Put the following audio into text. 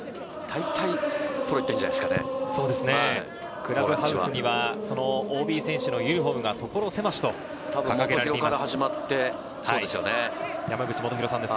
クラブハウスには、そのＯＢ選手のユニホームがところ狭しと掲げられています。